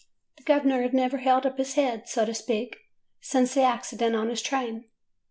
The gov'ner had never held up his head, so to speak, since the accident on his train.